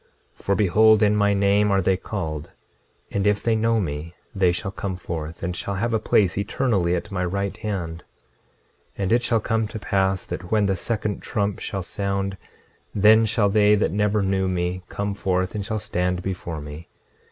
26:24 For behold, in my name are they called; and if they know me they shall come forth, and shall have a place eternally at my right hand. 26:25 And it shall come to pass that when the second trump shall sound then shall they that never knew me come forth and shall stand before me.